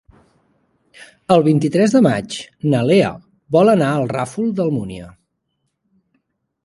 El vint-i-tres de maig na Lea vol anar al Ràfol d'Almúnia.